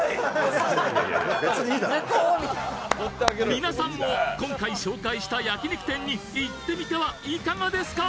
皆さんも今回紹介した焼き肉店に行ってみてはいかがですか？